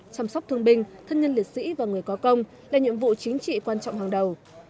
chăm sóc thương binh thân nhân liệt sĩ và người có công là nhiệm vụ chính trị quan trọng hàng đầu